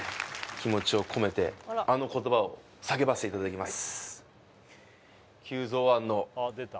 気持ちを込めてあの言葉を叫ばせていただきます